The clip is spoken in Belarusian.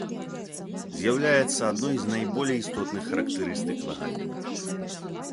З'яўляецца адной з найболей істотных характарыстык ваганняў.